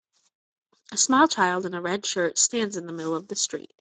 A small child in a red shirt stands in the middle of the street.